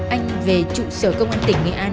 anh về trụ sở công an tỉnh nghệ an